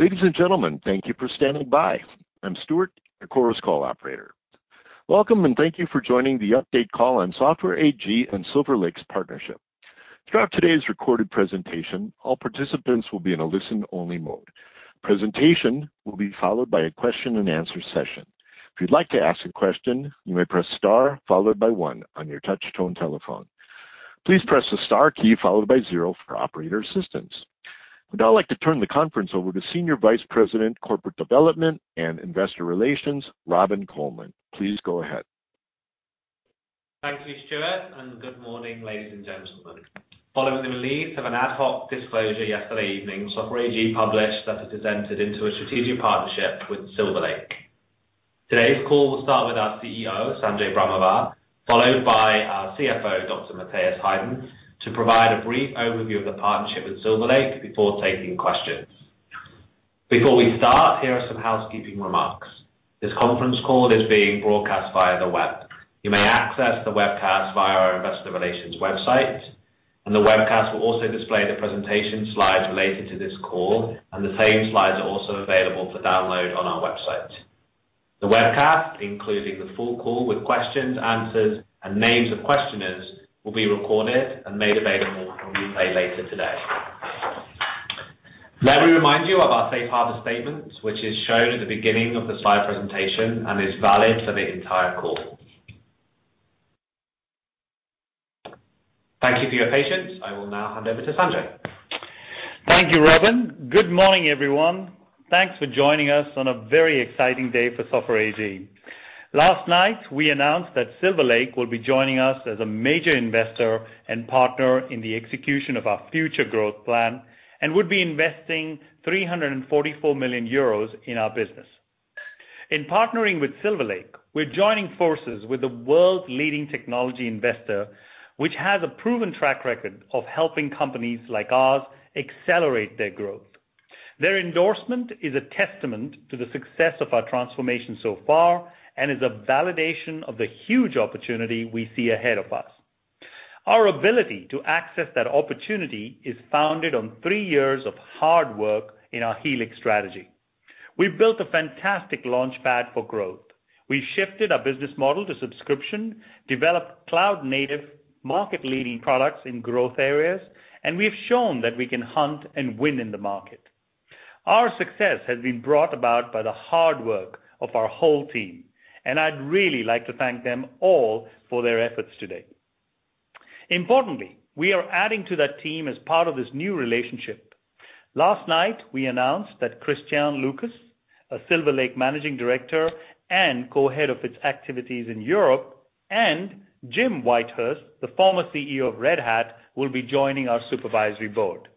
Ladies and gentlemen, thank you for standing by. I'm Stuart, your Chorus Call operator. Welcome, and thank you for joining the update call on Software AG and Silver Lake's partnership. Throughout today's recorded presentation, all participants will be in a listen-only mode. Presentation will be followed by a question-and-answer session. If you'd like to ask a question, you may press star followed by one on your touch tone telephone. Please press the star key followed by zero for operator assistance. I would now like to turn the conference over to Senior Vice President, Corporate Development and Investor Relations, Robin Colman. Please go ahead. Thank you, Stuart, and good morning, ladies and gentlemen. Following the release of an ad hoc disclosure yesterday evening, Software AG published that it has entered into a strategic partnership with Silver Lake. Today's call will start with our CEO, Sanjay Brahmawar, followed by our CFO, Dr. Matthias Heiden, to provide a brief overview of the partnership with Silver Lake before taking questions. Before we start, here are some housekeeping remarks. This conference call is being broadcast via the web. You may access the webcast via our investor relations website, and the webcast will also display the presentation slides related to this call, and the same slides are also available for download on our website. The webcast, including the full call with questions, answers, and names of questioners, will be recorded and made available on replay later today. May we remind you of our safe harbor statement, which is shown at the beginning of the slide presentation and is valid for the entire call. Thank you for your patience. I will now hand over to Sanjay. Thank you, Robin. Good morning, everyone. Thanks for joining us on a very exciting day for Software AG. Last night, we announced that Silver Lake will be joining us as a major investor and partner in the execution of our future growth plan and would be investing 344 million euros in our business. In partnering with Silver Lake, we're joining forces with the world's leading technology investor, which has a proven track record of helping companies like ours accelerate their growth. Their endorsement is a testament to the success of our transformation so far and is a validation of the huge opportunity we see ahead of us. Our ability to access that opportunity is founded on three years of hard work in our Helix strategy. We've built a fantastic launchpad for growth. We've shifted our business model to subscription, developed cloud-native market-leading products in growth areas, and we have shown that we can hunt and win in the market. Our success has been brought about by the hard work of our whole team, and I'd really like to thank them all for their efforts today. Importantly, we are adding to that team as part of this new relationship. Last night, we announced that Christian Lucas, a Silver Lake Managing Director and co-head of its activities in Europe, and Jim Whitehurst, the former CEO of Red Hat, will be joining our supervisory board.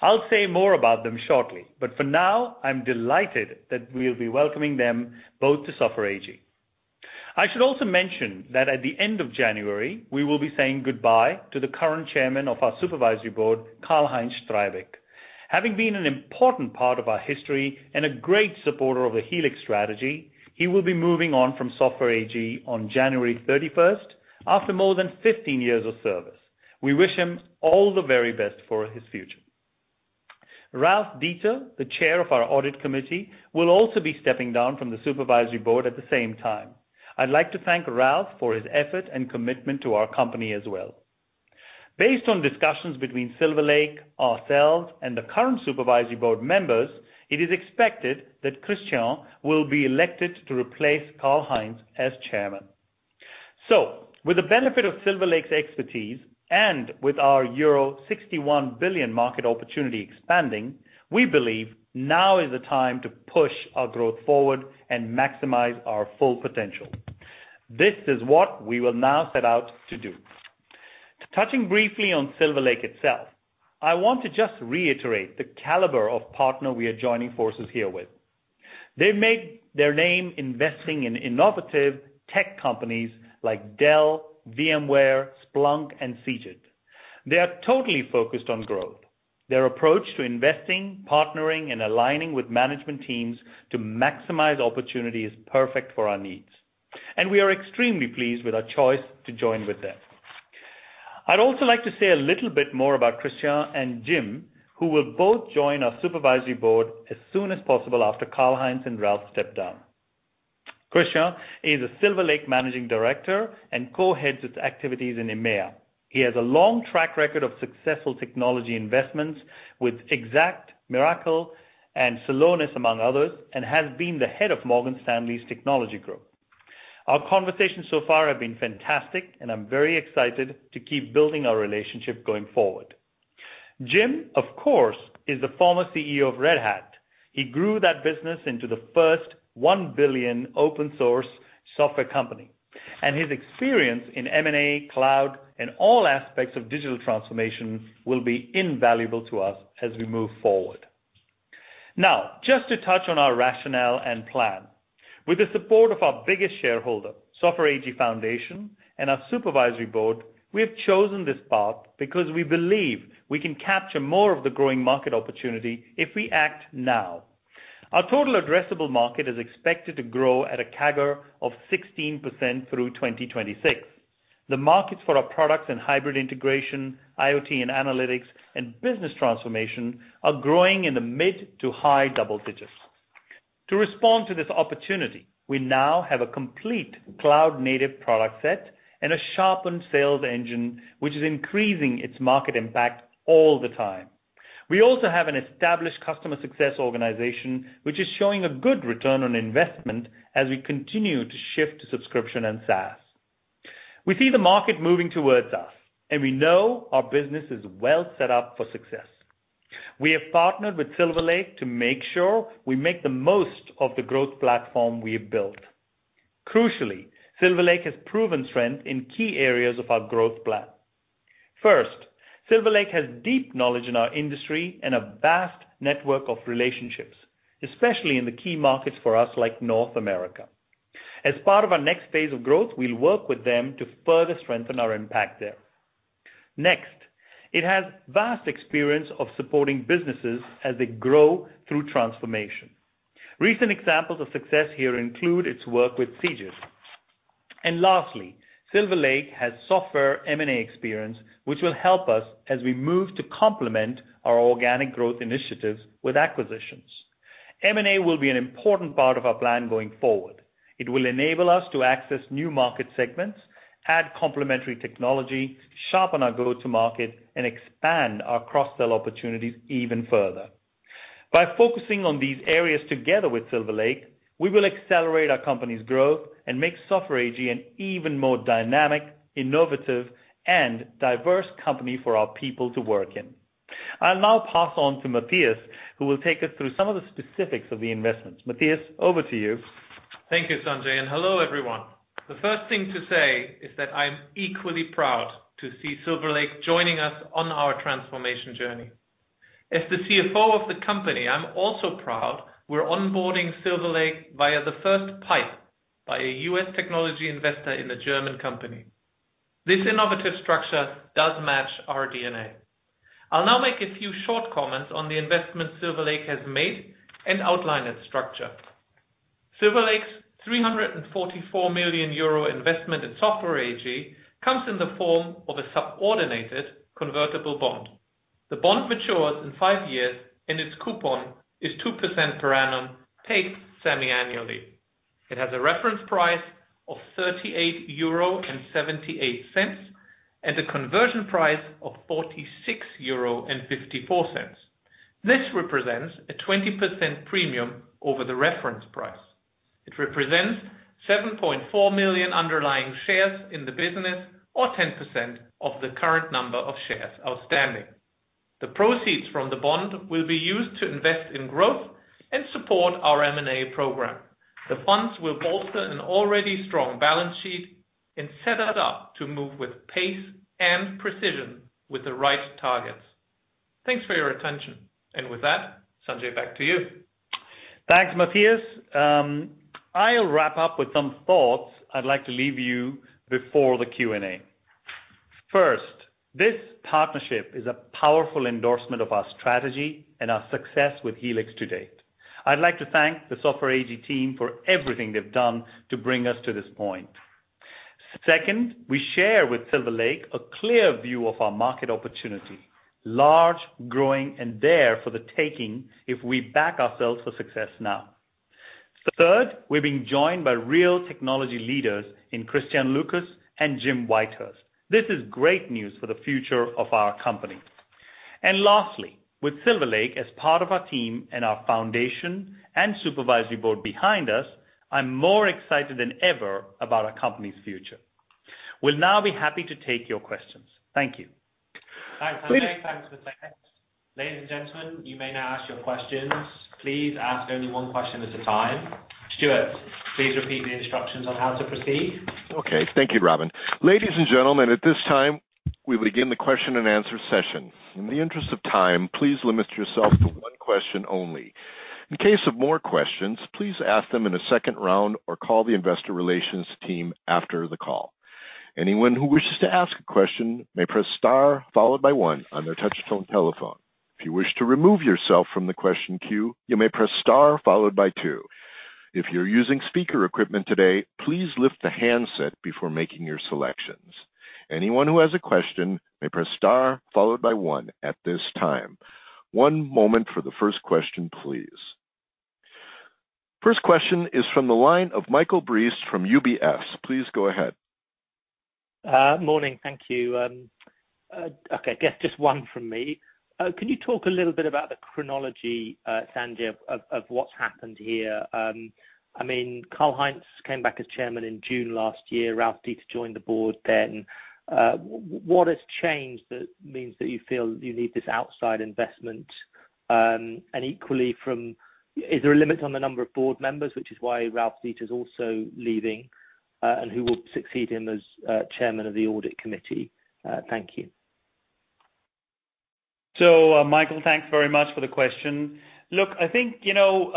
I'll say more about them shortly, but for now, I'm delighted that we'll be welcoming them both to Software AG. I should also mention that at the end of January, we will be saying goodbye to the current chairman of our supervisory board, Karl-Heinz Streibich. Having been an important part of our history and a great supporter of the Helix strategy, he will be moving on from Software AG on January 31st after more than 15 years of service. We wish him all the very best for his future. Ralf Dieter, the Chair of our Audit Committee, will also be stepping down from the Supervisory Board at the same time. I'd like to thank Ralf for his effort and commitment to our company as well. Based on discussions between Silver Lake, ourselves, and the current supervisory board members, it is expected that Christian will be elected to replace Karl-Heinz as chairman. With the benefit of Silver Lake's expertise and with our euro 61 billion market opportunity expanding, we believe now is the time to push our growth forward and maximize our full potential. This is what we will now set out to do. Touching briefly on Silver Lake itself, I want to just reiterate the caliber of partner we are joining forces here with. They've made their name investing in innovative tech companies like Dell, VMware, Splunk, and Skype. They are totally focused on growth. Their approach to investing, partnering, and aligning with management teams to maximize opportunity is perfect for our needs, and we are extremely pleased with our choice to join with them. I'd also like to say a little bit more about Christian and Jim, who will both join our supervisory board as soon as possible after Karl-Heinz and Ralf step down. Christian is a Silver Lake managing director and co-heads its activities in EMEA. He has a long track record of successful technology investments with Exact, MIRACL, and Sabre, among others, and has been the head of Morgan Stanley's technology group. Our conversations so far have been fantastic, and I'm very excited to keep building our relationship going forward. Jim, of course, is the former CEO of Red Hat. He grew that business into the first 1 billion open source software company, and his experience in M&A, cloud, and all aspects of digital transformation will be invaluable to us as we move forward. Now, just to touch on our rationale and plan. With the support of our biggest shareholder, Software AG Foundation, and our Supervisory Board, we have chosen this path because we believe we can capture more of the growing market opportunity if we act now. Our total addressable market is expected to grow at a CAGR of 16% through 2026. The markets for our products and hybrid integration, IoT and analytics, and business transformation are growing in the mid- to high double digits. To respond to this opportunity, we now have a complete cloud-native product set and a sharpened sales engine, which is increasing its market impact all the time. We also have an established customer success organization, which is showing a good return on investment as we continue to shift to subscription and SaaS. We see the market moving towards us, and we know our business is well set up for success. We have partnered with Silver Lake to make sure we make the most of the growth platform we have built. Crucially, Silver Lake has proven strength in key areas of our growth plan. First, Silver Lake has deep knowledge in our industry and a vast network of relationships, especially in the key markets for us like North America. As part of our next phase of growth, we'll work with them to further strengthen our impact there. Next, it has vast experience of supporting businesses as they grow through transformation. Recent examples of success here include its work with Cegid. Lastly, Silver Lake has software M&A experience, which will help us as we move to complement our organic growth initiatives with acquisitions. M&A will be an important part of our plan going forward. It will enable us to access new market segments, add complementary technology, sharpen our go-to market, and expand our cross-sell opportunities even further. By focusing on these areas together with Silver Lake, we will accelerate our company's growth and make Software AG an even more dynamic, innovative, and diverse company for our people to work in. I'll now pass on to Matthias, who will take us through some of the specifics of the investments. Matthias, over to you. Thank you, Sanjay, and hello, everyone. The first thing to say is that I'm equally proud to see Silver Lake joining us on our transformation journey. As the CFO of the company, I'm also proud we're onboarding Silver Lake via the first PIPE by a U.S. technology investor in a German company. This innovative structure does match our DNA. I'll now make a few short comments on the investment Silver Lake has made and outline its structure. Silver Lake's 344 million euro investment in Software AG comes in the form of a subordinated convertible bond. The bond matures in 5 years, and its coupon is 2% per annum, paid semiannually. It has a reference price of 38.78 euro and a conversion price of 46.54 euro. This represents a 20% premium over the reference price. It represents 7.4 million underlying shares in the business or 10% of the current number of shares outstanding. The proceeds from the bond will be used to invest in growth and support our M&A program. The funds will bolster an already strong balance sheet and set it up to move with pace and precision with the right targets. Thanks for your attention. With that, Sanjay, back to you. Thanks, Matthias. I'll wrap up with some thoughts I'd like to leave you before the Q&A. First, this partnership is a powerful endorsement of our strategy and our success with Helix to date. I'd like to thank the Software AG team for everything they've done to bring us to this point. Second, we share with Silver Lake a clear view of our market opportunity, large, growing, and there for the taking if we back ourselves for success now. Third, we're being joined by real technology leaders in Christian Lucas and Jim Whitehurst. This is great news for the future of our company. Lastly, with Silver Lake as part of our team and our foundation and supervisory board behind us, I'm more excited than ever about our company's future. We'll now be happy to take your questions. Thank you. Thanks, Sanjay. Thanks, Matthias. Ladies and gentlemen, you may now ask your questions. Please ask only one question at a time. Stuart, please repeat the instructions on how to proceed. Okay. Thank you, Robin. Ladies and gentlemen, at this time, we will begin the question and answer session. In the interest of time, please limit yourself to one question only. In case of more questions, please ask them in a second round or call the investor relations team after the call. Anyone who wishes to ask a question may press star followed by one on their touch-tone telephone. If you wish to remove yourself from the question queue, you may press star followed by two. If you're using speaker equipment today, please lift the handset before making your selections. Anyone who has a question may press star followed by one at this time. One moment for the first question, please. First question is from the line of Michael Briest from UBS. Please go ahead. Morning. Thank you. Okay, guess just one from me. Can you talk a little bit about the chronology, Sanjay, of what's happened here? I mean, Karl-Heinz came back as chairman in June last year. Ralf Dieter joined the board then. What has changed that means that you feel you need this outside investment? And equally, is there a limit on the number of board members, which is why Ralf Dieter's also leaving, and who will succeed him as chairman of the audit committee? Thank you. Michael, thanks very much for the question. Look, I think, you know,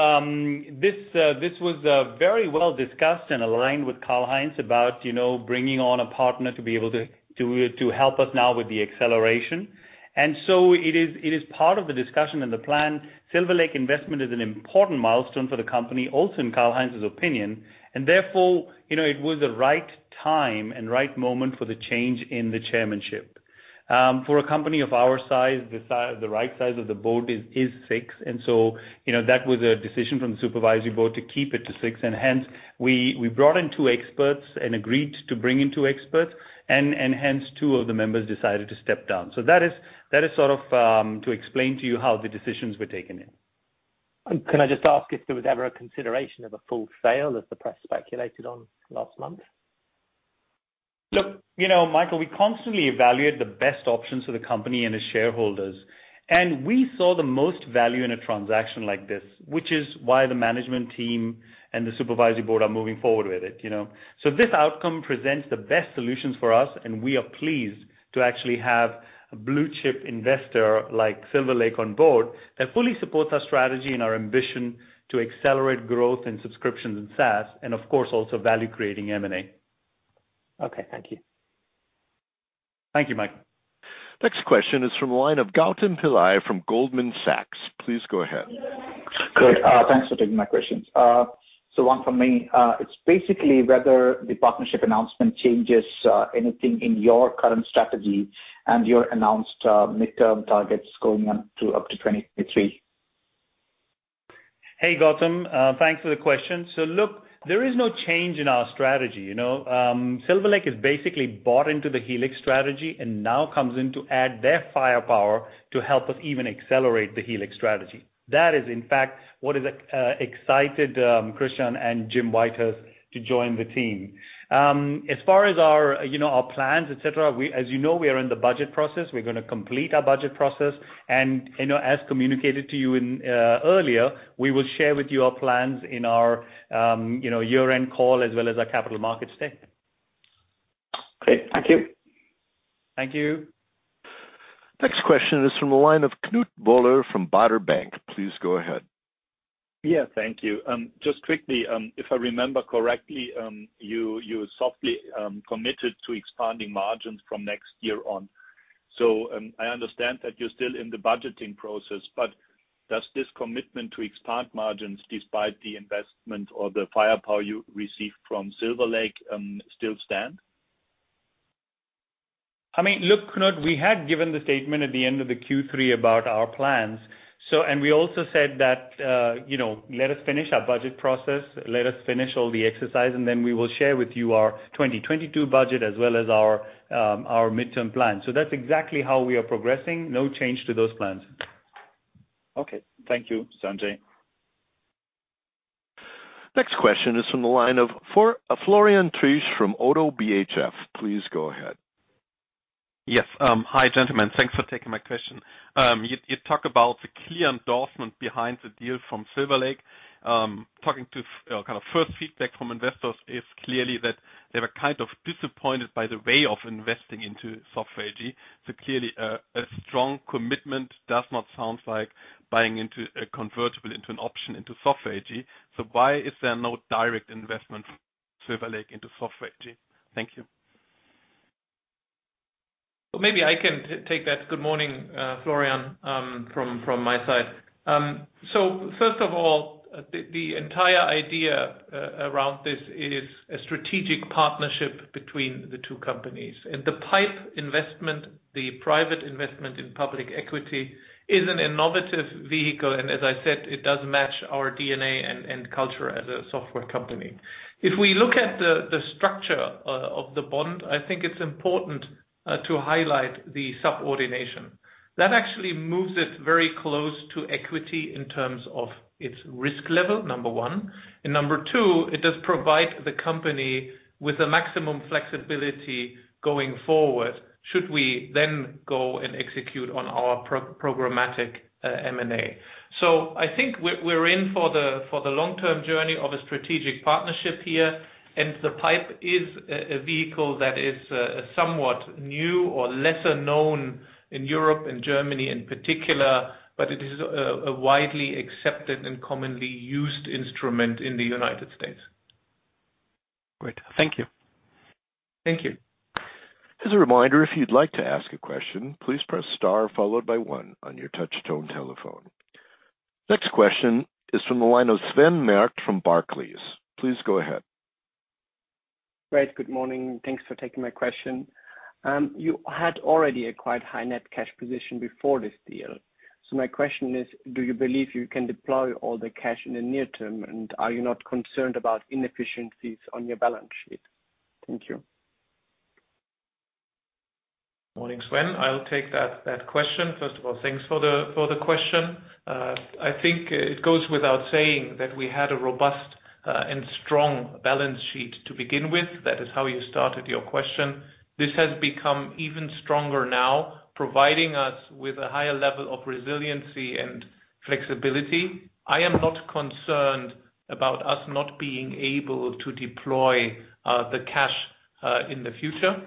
this was very well discussed and aligned with Karl-Heinz Streibich about, you know, bringing on a partner to be able to help us now with the acceleration. It is part of the discussion and the plan. Silver Lake investment is an important milestone for the company, also in Karl-Heinz Streibich's opinion. Therefore, you know, it was the right time and right moment for the change in the chairmanship. For a company of our size, the right size of the board is six. You know, that was a decision from Supervisory Board to keep it to six. Hence, we brought in two experts and agreed to bring in two experts, and hence two of the members decided to step down. That is sort of to explain to you how the decisions were taken in. Can I just ask if there was ever a consideration of a full sale as the press speculated on last month? Look, you know, Michael, we constantly evaluate the best options for the company and its shareholders. We saw the most value in a transaction like this, which is why the management team and the supervisory board are moving forward with it, you know. This outcome presents the best solutions for us, and we are pleased to actually have a blue-chip investor like Silver Lake on board that fully supports our strategy and our ambition to accelerate growth in subscriptions and SaaS, and of course also value creating M&A. Okay, thank you. Thank you, Michael. Next question is from the line of Gautam Pillai from Goldman Sachs. Please go ahead. Great. Thanks for taking my questions. One from me, it's basically whether the partnership announcement changes anything in your current strategy and your announced midterm targets going on to up to 2023? Hey, Gautam. Thanks for the question. Look, there is no change in our strategy, you know. Silver Lake has basically bought into the Helix strategy and now comes in to add their firepower to help us even accelerate the Helix strategy. That is in fact what is excited Christian and Jim Whitehurst to join the team. As far as our, you know, our plans, et cetera, as you know, we are in the budget process. We're gonna complete our budget process. You know, as communicated to you in earlier, we will share with you our plans in our, you know, year-end call as well as our capital markets day. Great. Thank you. Thank you. Next question is from the line of Knut Woller from Baader Bank. Please go ahead. Thank you. Just quickly, if I remember correctly, you softly committed to expanding margins from next year on. I understand that you're still in the budgeting process, but does this commitment to expand margins despite the investment or the firepower you received from Silver Lake still stand? I mean, look, Knut, we had given the statement at the end of the Q3 about our plans, so, and we also said that, you know, let us finish our budget process, let us finish all the exercise, and then we will share with you our 2022 budget as well as our midterm plan. That's exactly how we are progressing. No change to those plans. Okay. Thank you, Sanjay. Next question is from the line of Florian Treisch from ODDO BHF. Please go ahead. Yes. Hi, gentlemen. Thanks for taking my question. You talk about the clear endorsement behind the deal from Silver Lake. Talking to kind of first feedback from investors is clearly that they were kind of disappointed by the way of investing into Software AG. Clearly, a strong commitment does not sound like buying into a convertible into an option into Software AG. Why is there no direct investment from Silver Lake into Software AG? Thank you. Maybe I can take that. Good morning, Florian, from my side. First of all, the entire idea around this is a strategic partnership between the two companies. The PIPE investment, the private investment in public equity, is an innovative vehicle, and as I said, it does match our DNA and culture as a software company. If we look at the structure of the bond, I think it's important to highlight the subordination. That actually moves it very close to equity in terms of its risk level, number one. Number two, it does provide the company with the maximum flexibility going forward should we then go and execute on our programmatic M&A. I think we're in for the long-term journey of a strategic partnership here, and the PIPE is a vehicle that is somewhat new or lesser-known in Europe and Germany in particular, but it is a widely accepted and commonly used instrument in the United States. Great. Thank you. Thank you. Next question is from the line of Sven Merkt from Barclays. Please go ahead. Great. Good morning. Thanks for taking my question. You had already a quite high net cash position before this deal. My question is, do you believe you can deploy all the cash in the near term, and are you not concerned about inefficiencies on your balance sheet? Thank you. Morning, Sven. I'll take that question. First of all, thanks for the question. I think it goes without saying that we had a robust and strong balance sheet to begin with. That is how you started your question. This has become even stronger now, providing us with a higher level of resiliency and flexibility. I am not concerned about us not being able to deploy the cash in the future.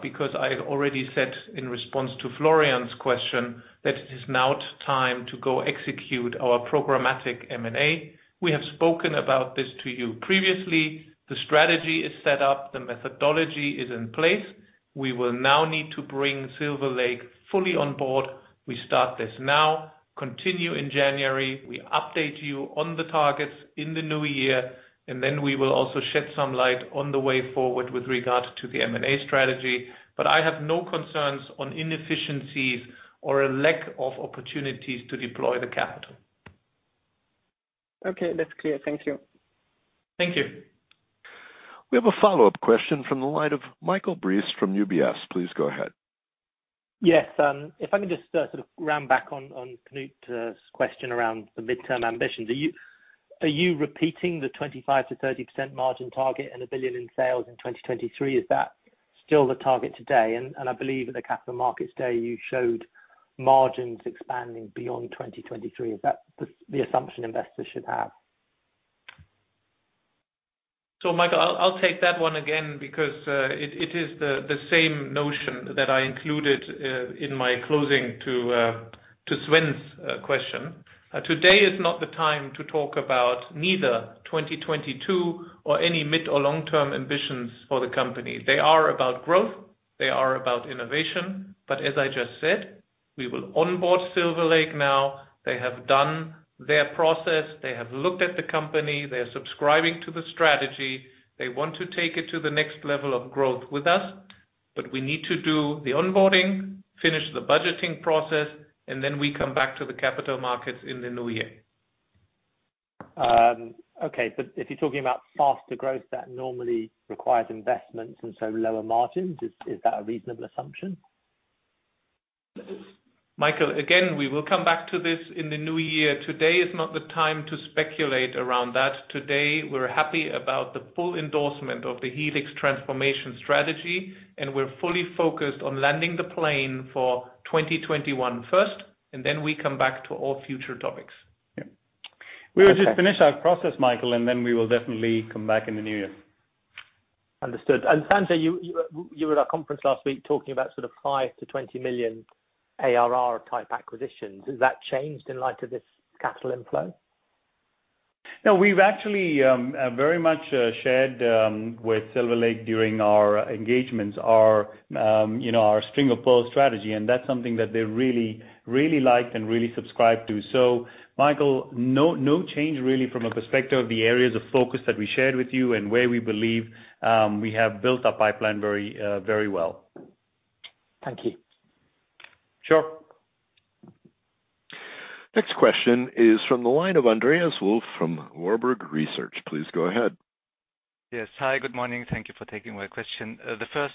Because I already said in response to Florian's question that it is now time to go execute our programmatic M&A. We have spoken about this to you previously. The strategy is set up, the methodology is in place. We will now need to bring Silver Lake fully on board. We start this now, continue in January. We update you on the targets in the new year, and then we will also shed some light on the way forward with regards to the M&A strategy. I have no concerns on inefficiencies or a lack of opportunities to deploy the capital. Okay, that's clear. Thank you. Thank you. We have a follow-up question from the line of Michael Briest from UBS. Please go ahead. Yes. If I can just sort of round back on Knut's question around the midterm ambitions. Are you repeating the 25%-30% margin target and 1 billion in sales in 2023? Is that still the target today? I believe at the Capital Markets Day, you showed margins expanding beyond 2023. Is that the assumption investors should have? Michael, I'll take that one again because it is the same notion that I included in my closing to Sven's question. Today is not the time to talk about neither 2022 or any mid or long-term ambitions for the company. They are about growth, they are about innovation, but as I just said, we will onboard Silver Lake now. They have done their process. They have looked at the company. They're subscribing to the strategy. They want to take it to the next level of growth with us, but we need to do the onboarding, finish the budgeting process, and then we come back to the capital markets in the new year. If you're talking about faster growth, that normally requires investments and so lower margins. Is that a reasonable assumption? Michael, again, we will come back to this in the new year. Today is not the time to speculate around that. Today, we're happy about the full endorsement of the Helix transformation strategy, and we're fully focused on landing the plane for 2021 first, and then we come back to all future topics. Okay. We will just finish our process, Michael, and then we will definitely come back in the new year. Understood. Sanjay, you were at our conference last week talking about sort of 5 million-20 million ARR type acquisitions. Has that changed in light of this capital inflow? No, we've actually, very much, shared with Silver Lake during our engagements, our, you know, our string of pearls strategy, and that's something that they really, really like and really subscribe to. Michael, no change really from a perspective of the areas of focus that we shared with you and where we believe, we have built our pipeline very, very well. Thank you. Sure. Next question is from the line of Andreas Wolf from Warburg Research. Please go ahead. Yes. Hi, good morning. Thank you for taking my question. The first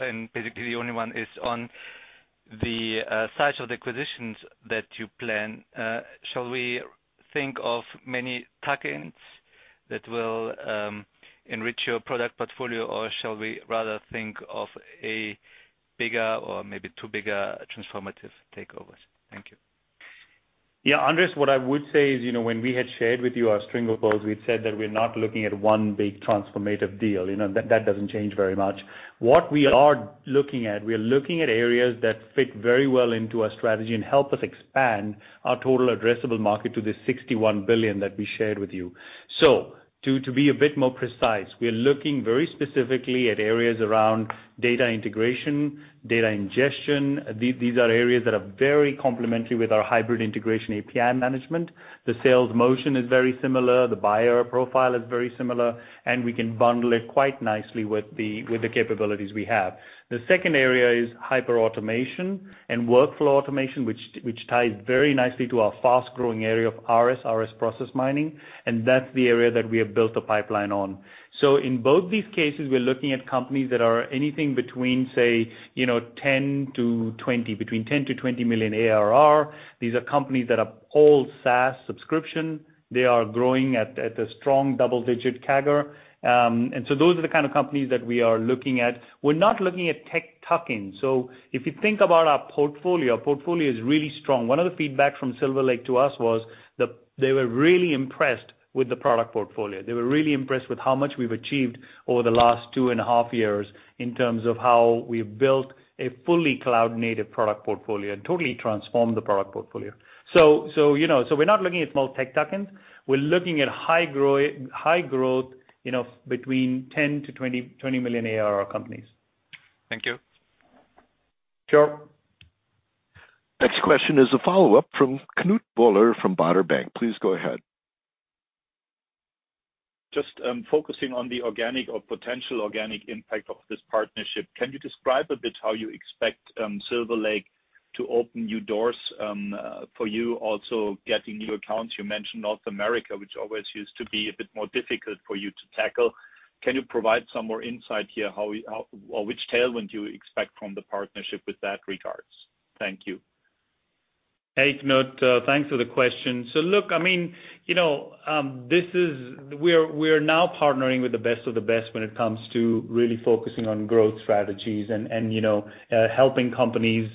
and basically the only one is on the size of the acquisitions that you plan. Shall we think of many tuck-ins that will enrich your product portfolio, or shall we rather think of a bigger or maybe two bigger transformative takeovers? Thank you. Yeah, Andreas, what I would say is, you know, when we had shared with you our string of pearls, we said that we're not looking at one big transformative deal. You know, that doesn't change very much. What we are looking at areas that fit very well into our strategy and help us expand our total addressable market to the 61 billion that we shared with you. To be a bit more precise, we are looking very specifically at areas around data integration, data ingestion. These are areas that are very complementary with our hybrid integration API management. The sales motion is very similar, the buyer profile is very similar, and we can bundle it quite nicely with the capabilities we have. The second area is hyperautomation and workflow automation, which ties very nicely to our fast-growing area of ARIS process mining, and that's the area that we have built a pipeline on. In both these cases, we're looking at companies that are anything between, say, you know, 10-20 million ARR. These are companies that are all SaaS subscription. They are growing at a strong double-digit CAGR. Those are the kind of companies that we are looking at. We're not looking at tech tuck-ins. If you think about our portfolio, our portfolio is really strong. One of the feedback from Silver Lake to us was that they were really impressed with the product portfolio. They were really impressed with how much we've achieved over the last 2.5 years in terms of how we've built a fully cloud-native product portfolio and totally transformed the product portfolio. You know, we're not looking at small tech tuck-ins. We're looking at high growth, you know, between 10-20, 20 million ARR companies. Thank you. Sure. Next question is a follow-up from Knut Woller from Baader Bank. Please go ahead. Just focusing on the organic or potential organic impact of this partnership. Can you describe a bit how you expect Silver Lake to open new doors for you also getting new accounts? You mentioned North America, which always used to be a bit more difficult for you to tackle. Can you provide some more insight here, or which tailwind you expect from the partnership in that regard? Thank you. Hey, Knut. Thanks for the question. Look, I mean, you know, this is—we're now partnering with the best of the best when it comes to really focusing on growth strategies and, you know, helping companies,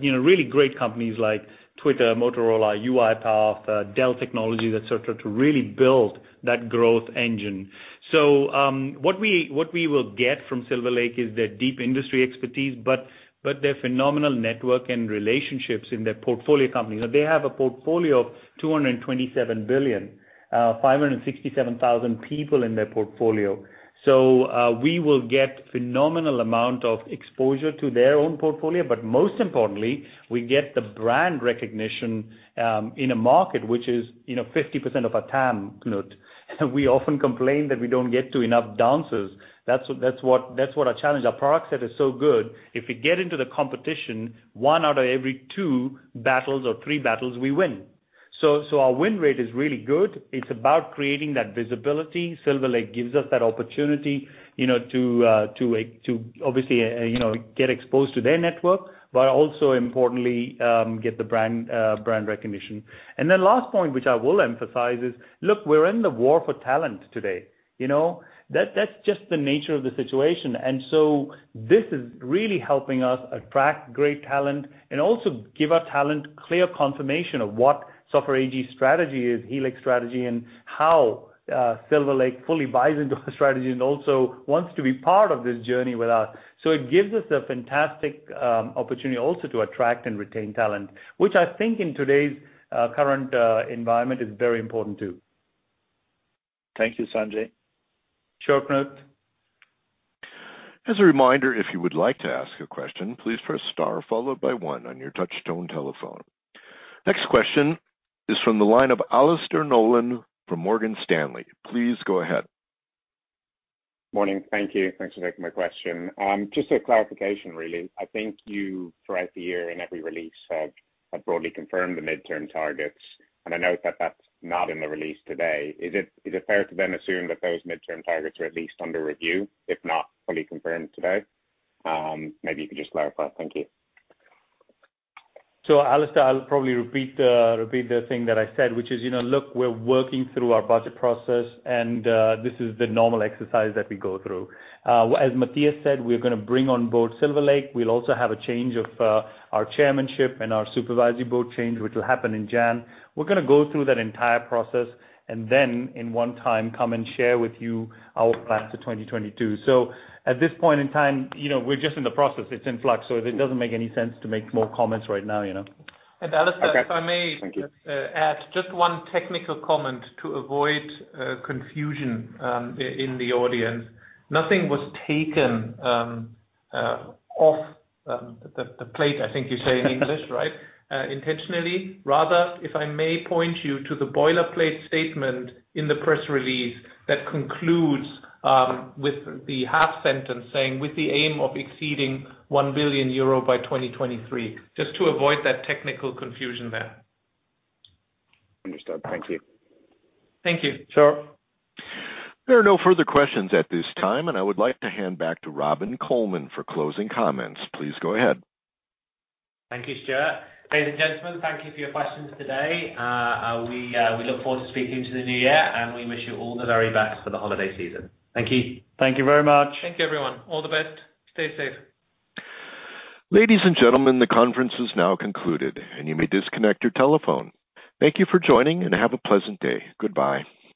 you know, really great companies like Twitter, Motorola, UiPath, Dell Technologies, et cetera, to really build that growth engine. What we will get from Silver Lake is their deep industry expertise, but their phenomenal network and relationships in their portfolio companies. They have a portfolio of $227 billion. 567,000 people in their portfolio. We will get phenomenal amount of exposure to their own portfolio, but most importantly, we get the brand recognition in a market which is, you know, 50% of our TAM, Knut. We often complain that we don't get to enough chances. That's what our challenge, our product set is so good, if we get into the competition, one out of every two battles or three battles, we win. Our win rate is really good. It's about creating that visibility. Silver Lake gives us that opportunity, you know, to obviously, you know, get exposed to their network, but also importantly, get the brand recognition. Then last point, which I will emphasize is, look, we're in the war for talent today, you know. That's just the nature of the situation. This is really helping us attract great talent and also give our talent clear confirmation of what Software AG's strategy is, Helix strategy, and how Silver Lake fully buys into our strategy and also wants to be part of this journey with us. It gives us a fantastic opportunity also to attract and retain talent, which I think in today's current environment is very important too. Thank you, Sanjay. Sure, Knut. As a reminder, if you would like to ask a question, please press star followed by one on your touchtone telephone. Next question is from the line of Alastair Nolan from Morgan Stanley. Please go ahead. Morning. Thank you. Thanks for taking my question. Just a clarification, really. I think you, throughout the year in every release have broadly confirmed the midterm targets, and I note that that's not in the release today. Is it fair to then assume that those midterm targets are at least under review, if not fully confirmed today? Maybe you could just clarify. Thank you. Alastair, I'll probably repeat the thing that I said, which is, you know, look, we're working through our budget process and this is the normal exercise that we go through. As Matthias said, we're gonna bring on board Silver Lake. We'll also have a change of our chairmanship and our supervisory board change, which will happen in January. We're gonna go through that entire process and then in one time, come and share with you our plans to 2022. At this point in time, you know, we're just in the process. It's in flux. It doesn't make any sense to make more comments right now, you know? Alastair, if I may just- Thank you. I'd add just one technical comment to avoid confusion in the audience. Nothing was taken off the plate, I think you say in English, right? Intentionally. Rather, if I may point you to the boilerplate statement in the press release that concludes with the half sentence saying, "With the aim of exceeding 1 billion euro by 2023." Just to avoid that technical confusion there. Understood. Thank you. Thank you. Sure. There are no further questions at this time, and I would like to hand back to Robin Colman for closing comments. Please go ahead. Thank you, Stuart. Ladies and gentlemen, thank you for your questions today. We look forward to speaking to you in the new year, and we wish you all the very best for the holiday season. Thank you. Thank you very much. Thank you, everyone. All the best. Stay safe. Ladies and gentlemen, the conference is now concluded and you may disconnect your telephone. Thank you for joining and have a pleasant day. Goodbye.